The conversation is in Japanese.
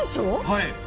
はい。